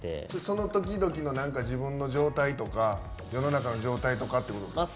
その時々の自分の状態とか世の中の状態とかってことですか。